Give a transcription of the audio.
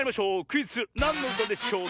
クイズ「なんのうたでしょう」